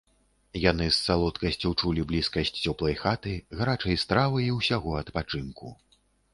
Яны з салодкасцю чулі блізкасць цёплай хаты, гарачай стравы і ўсяго адпачынку.